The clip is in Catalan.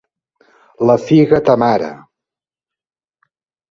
La figa ta mare!